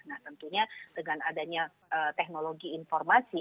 nah tentunya dengan adanya teknologi informasi